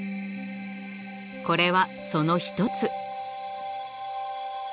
これはその一つ。